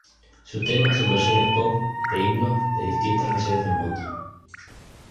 Sus temas son versiones pop de himnos de distintas naciones del mundo.